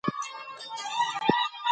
که موږ هڅه وکړو بریالي کېږو.